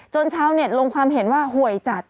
ชาวเน็ตลงความเห็นว่าหวยจัด